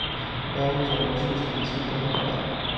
该物种的模式产地在红海。